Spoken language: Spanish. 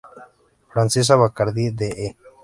Francesca Bacardí de E!